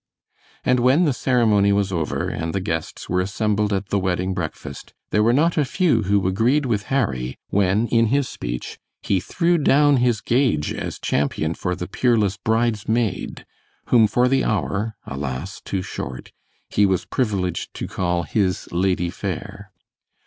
And when the ceremony was over, and the guests were assembled at the wedding breakfast, there were not a few who agreed with Harry when, in his speech, he threw down his gage as champion for the peerless bridesmaid, whom for the hour alas, too short he was privileged to call his "lady fair."